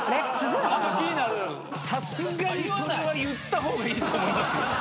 さすがにそれは言った方がいいと思いますよ。